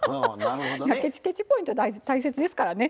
ケチケチ・ポイント大切ですからね。